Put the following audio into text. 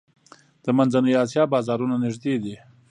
د منځنۍ اسیا بازارونه نږدې دي